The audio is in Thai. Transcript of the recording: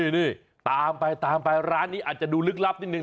นี่ตามไปตามไปร้านนี้อาจจะดูลึกลับนิดนึ